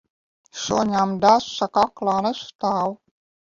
Suņam desa kaklā nestāv.